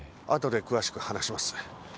後で詳しく話します。